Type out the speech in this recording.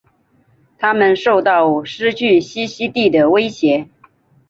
它们受到失去栖息地的威胁。